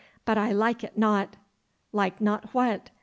But I like it not.' 'Like not what?